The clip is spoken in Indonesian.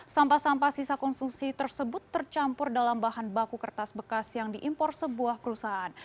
sampah sampah sisa konsumsi tersebut tercampur dalam bahan baku kertas bekas yang diimpor sebuah perusahaan